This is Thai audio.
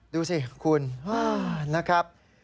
ดูสิคุณนะครับ